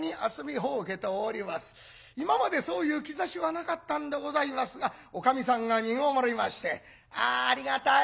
今までそういう兆しはなかったんでございますがおかみさんがみごもりまして「あありがたい。